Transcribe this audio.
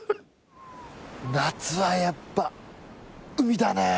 「夏はやっぱ海だね」